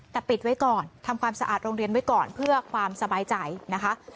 แต่ปิดไว้ก่อนทำความสะอาดโรงเรียนไว้ก่อนเพื่อความสบายใจนะคะ